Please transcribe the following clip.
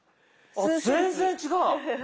あ全然違う。